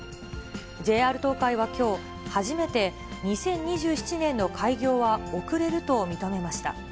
ＪＲ東海はきょう、初めて２０２７年の開業は遅れると認めました。